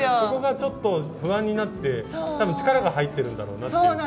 ここがちょっと不安になって多分力が入ってるんだろうなっていう。